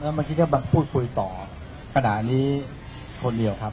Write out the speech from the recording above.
เมื่อกี้ก็มาพูดคุยต่อขณะนี้คนเดียวครับ